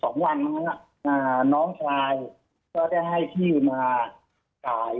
ก็หลังไปจากเกิดเหตุ๒วันเค้าน้องชายได้ให้ที่มาขาย